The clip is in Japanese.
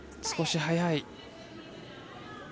少し速い。